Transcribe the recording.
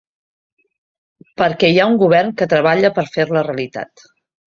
Perquè hi ha un govern que treballa per fer-la realitat.